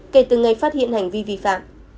kể từ ngày phát hiện hành vi vi phạm